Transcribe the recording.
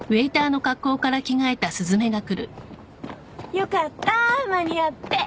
よかった間に合って。